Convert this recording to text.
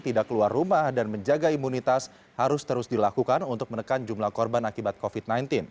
tidak keluar rumah dan menjaga imunitas harus terus dilakukan untuk menekan jumlah korban akibat covid sembilan belas